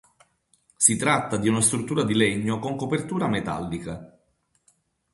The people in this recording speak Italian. Si tratta di una struttura di legno con copertura metallica.